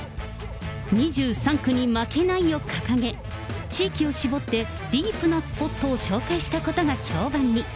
２３区に負けないを掲げ、地域を絞ってディープなスポットを紹介したことが評判に。